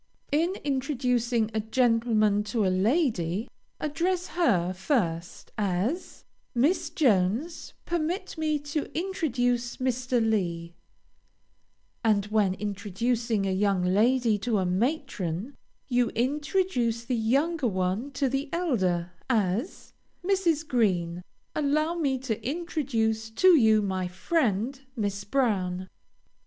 In introducing a gentleman to a lady, address her first, as "Miss Jones, permit me to introduce Mr. Lee;" and, when introducing a young lady to a matron, you introduce the younger one to the elder, as "Mrs. Green, allow me to introduce to you my friend, Miss Brown."